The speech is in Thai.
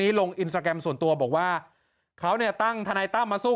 ลงอินสตาแกรมส่วนตัวบอกว่าเขาเนี่ยตั้งทนายตั้มมาสู้